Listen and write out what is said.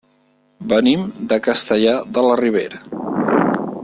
Venim de Castellar de la Ribera.